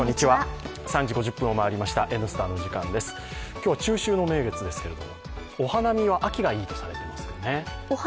今日は中秋の名月ですけれどもお花見は秋がいいとされていますけどね。